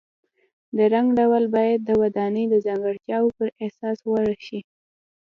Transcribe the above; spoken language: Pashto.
د رنګ ډول باید د ودانۍ د ځانګړتیاو پر اساس غوره شي.